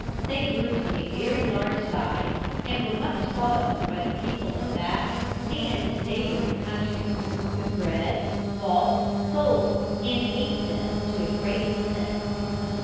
They grew to a very large size, and were much thought of by the people of that and neighbouring countries, who bred, bought, sold, and ate them to a great extent.